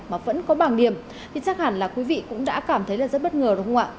mà vẫn có bảng điểm thì chắc hẳn là quý vị cũng đã cảm thấy là rất bất ngờ đúng không ạ